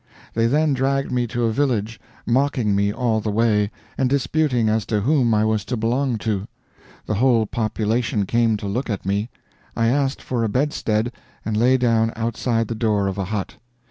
They then dragged me to a village, mocking me all the way, and disputing as to whom I was to belong to. The whole population came to look at me. I asked for a bedstead, and lay down outside the door of a hut.